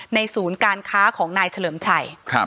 ศูนย์การค้าของนายเฉลิมชัย